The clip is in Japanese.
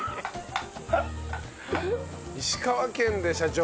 石川県で社長